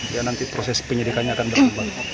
ya nanti proses penyelidikannya akan berubah